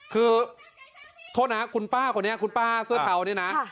คือโทษนะคุณป้าคนนี้คุณป้าเสื้อเทาเนี่ยนะ